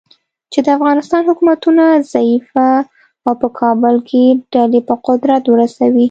چې د افغانستان حکومتونه ضعیفه او په کابل کې ډلې په قدرت ورسوي.